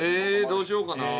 どうしようかな？